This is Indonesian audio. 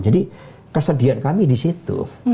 jadi kesedihan kami di situ